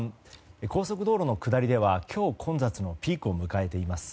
高速道路の下りでは、今日混雑のピークを迎えています。